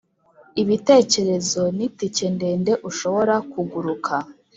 ibitekerezo ni tike ndende ushobora kuguruka